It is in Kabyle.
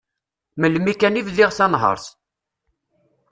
Melmi kan i bdiɣ tanhert.